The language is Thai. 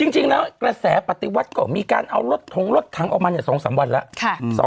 จริงแล้วกระแสปฏิวัติก็มีการเอารถถงรถถังออกมา๒๓วันแล้ว